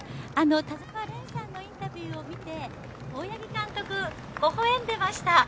田澤廉さんのインタビューを見て大八木監督ほほ笑んでいました。